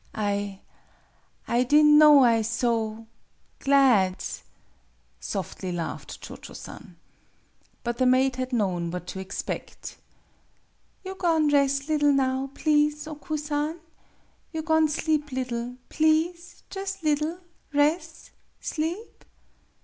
" I I di'n' know I so glad, " softly laughed Cho Cho San. But the maid had known what to expect. " You go'n' res' liddle now, please, Oku San! You go'n' sleep liddle please, jus' liddle res' sleep